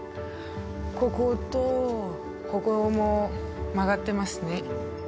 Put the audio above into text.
こことここも曲がってますね